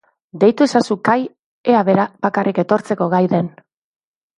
Deitu ezazu Kai ea bera bakarrik etortzeko gai den.